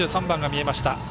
１２３番が見えました。